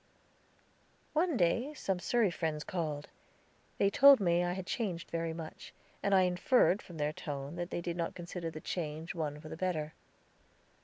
One day some Surrey friends called. They told me I had changed very much, and I inferred from their tone they did not consider the change one for the better.